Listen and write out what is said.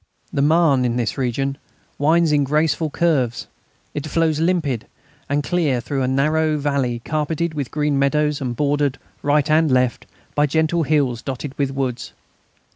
The Marne in this region winds in graceful curves. It flows limpid and clear through a narrow valley carpeted with green meadows and bordered, right and left, by gentle hills dotted with woods.